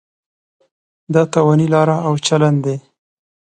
دا تاواني لاره او چلن دی.